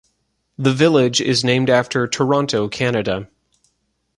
The village is named after Toronto, Canada.